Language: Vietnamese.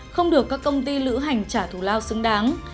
không được các công ty lữ hành trả thù lao xứng đáng